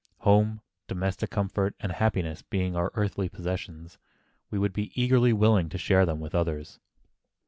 Home, domestic comfort and happiness being our best earthly possessions, we would be eagerly willing to share them with others.